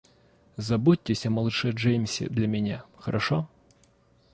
Заботьтесь о малыше Джеймсе для меня, хорошо?